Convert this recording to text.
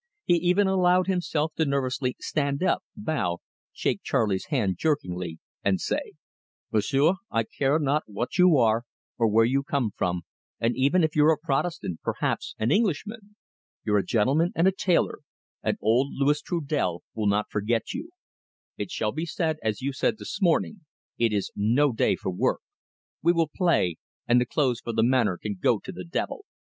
He even allowed himself to nervously stand up, bow, shake Charley's hand jerkingly, and say: "M'sieu', I care not what you are or where you come from, or even if you're a Protestant, perhaps an Englishman. You're a gentleman and a tailor, and old Louis Trudel will not forget you. It shall be as you said this morning it is no day for work. We will play, and the clothes for the Manor can go to the devil.